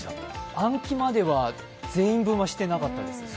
暗記までは全員分はしてなかったですね。